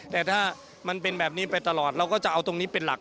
แต่ถ้ามันเป็นแบบนี้ไปตลอดเราก็จะเอาตรงนี้เป็นหลัก